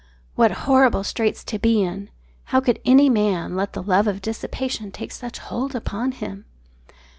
What horrible straits to be in. How could any man let the love of dissipation take such hold upon him?